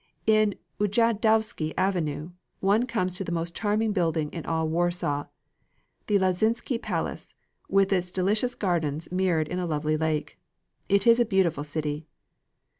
In the Ujazdowske Avenue one comes to the most charming building in all Warsaw, the Lazienki Palace, with its delicious gardens mirrored in a lovely lake. It is a beautiful city.